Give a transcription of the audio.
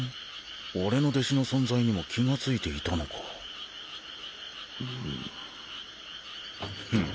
俺の弟子の存在にも気がついていたのかフン